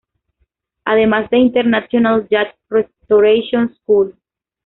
Además de International Yacht Restoration School.